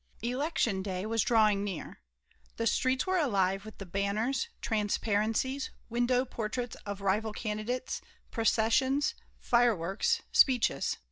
Election Day was drawing near. The streets were alive with the banners, transparencies, window portraits of rival candidates, processions, fireworks, speeches.